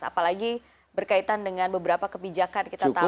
apalagi berkaitan dengan beberapa kebijakan kita tahu